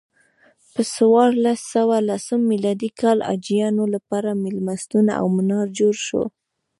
په څوارلس سوه لسم میلادي کال حاجیانو لپاره میلمستون او منار جوړ شو.